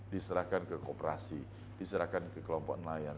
diserahkan ke kooperasi diserahkan ke kelompok nelayan